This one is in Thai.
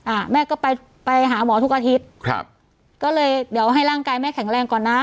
อ่าแม่ก็ไปไปหาหมอทุกอาทิตย์ครับก็เลยเดี๋ยวให้ร่างกายแม่แข็งแรงก่อนนะ